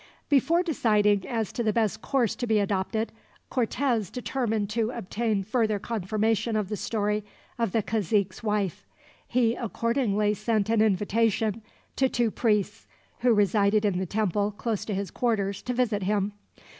Before deciding as to the best course to be adopted, Cortez determined to obtain further confirmation of the story of the cazique's wife. He accordingly sent an invitation to two priests, who resided in the temple close to his quarters, to visit him.